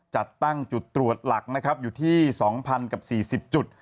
จัดตั้งจุดตรวจหลักอยู่ที่๒๐๔๐จุด